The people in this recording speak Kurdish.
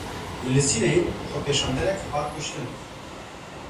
Li Sineyê xwepêşanderek hat kuştin.